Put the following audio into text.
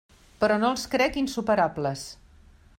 Però no els crec insuperables.